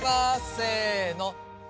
せの。